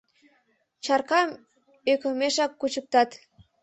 Чаркам ӧкымешак кучыктат.